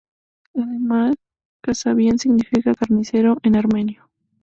Además, Kasabian significa "carnicero" en armenio.